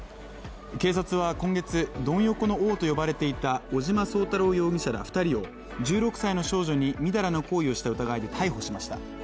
警察は今月、ドン横の王と呼ばれていた尾島壮太郎容疑者ら２人を１６歳の少女に淫らな行為をした疑いで逮捕しました。